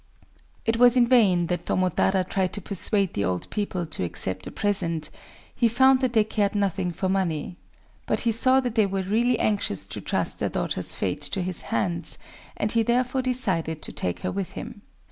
It was in vain that Tomotada tried to persuade the old people to accept a present: he found that they cared nothing for money. But he saw that they were really anxious to trust their daughter's fate to his hands; and he therefore decided to take her with him.